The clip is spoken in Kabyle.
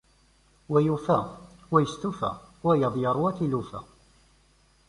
Wa yufa. Wa yestufa. Wayeḍ yeṛwa tilufa.